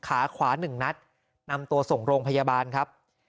ขาขวาหนึ่งนัดนำตัวส่งโรงพยาบาลครับ